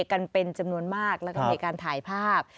กันเป็นจำนวนมากแล้วก็มีการถ่ายภาพ